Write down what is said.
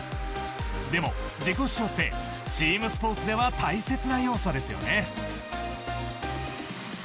でも、自己主張ってチームスポーツでは大切な要素ですよね。